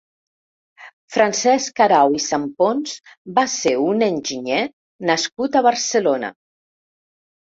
Francesc Arau i Sampons va ser un enginyer nascut a Barcelona.